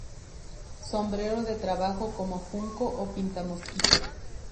Sombrero de trabajo como junco o pinta mosquito.